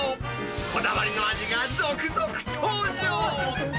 こだわりの味が続々登場。